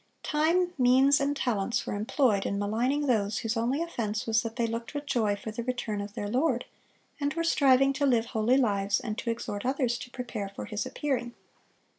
Time, means, and talents were employed in maligning those whose only offense was that they looked with joy for the return of their Lord, and were striving to live holy lives, and to exhort others to prepare for His appearing.